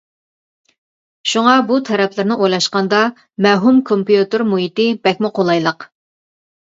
شۇڭا بۇ تەرەپلىرىنى ئويلاشقاندا، مەۋھۇم كومپيۇتېر مۇھىتى بەكمۇ قولايلىق.